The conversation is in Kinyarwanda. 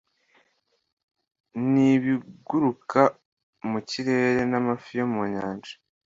N ibiguruka mu kirere n amafi yo mu nyanja